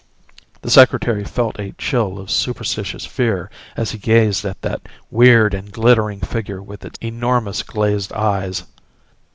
The Secretary felt a chill of superstitious fear as he gazed at that weird and glittering figure with its enormous glazed eyes.